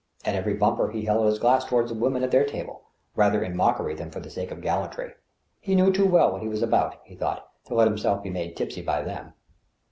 At every bumper he held out his glass toward the women at their table, rather in mockery than for the sake of gallantry. He knew too well what he was about, he thought, to let himself be made tipsy by them.